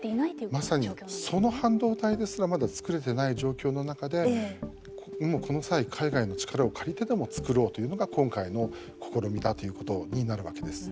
まさに、その半導体ですらまだ作れていない状況の中でもうこの際、海外の力を借りてでも作ろうというのが今回の試みだということになるわけです。